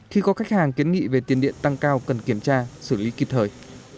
khi có khách hàng kiến nghị về tiền điện tăng cao cần kiểm tra xử lý kịp thời